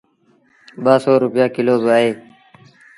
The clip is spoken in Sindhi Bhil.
ٻآسو رپيآ ڪلو با اهي۔